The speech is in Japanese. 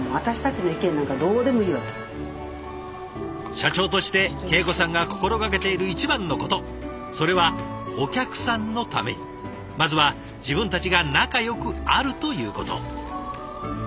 社長として恵子さんが心がけている一番のことそれはお客さんのためにまずは自分たちが仲よくあるということ。